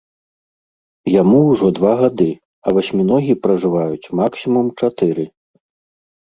Яму ўжо два гады, а васьміногі пражываюць максімум чатыры.